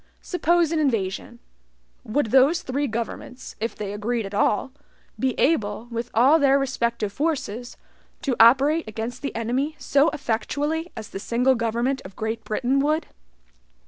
Suppose an invasion; would those three governments (if they agreed at all) be able, with all their respective forces, to operate against the enemy so effectually as the single government of Great Britain would?